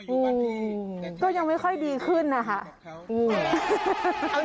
อืมก็ยังไม่ค่อยดีขึ้นนะคะ